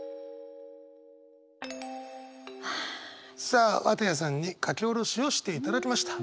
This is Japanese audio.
さあ綿矢さんに書き下ろしをしていただきました。